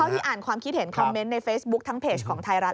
ที่อ่านความคิดเห็นคอมเมนต์ในเฟซบุ๊คทั้งเพจของไทยรัฐ